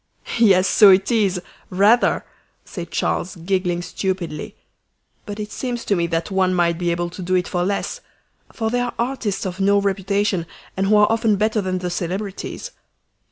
"Yes, so it is rather," said Charles, giggling stupidly. "But it seems to me that one might be able to do it for less; for there are artists of no reputation, and who are often better than the celebrities."